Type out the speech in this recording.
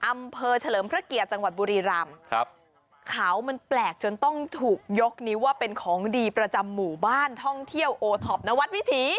อำเภอเฉลิมพระเกียรติจังหวัดบุรีรำครับเขามันแปลกจนต้องถูกยกนิ้วว่าเป็นของดีประจำหมู่บ้านท่องเที่ยวโอท็อปนวัดวิถี